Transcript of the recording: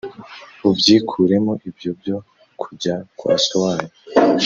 ubyikuremo ibyo byo kujya kwa so wanyu?